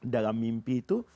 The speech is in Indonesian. dalam mimpi itu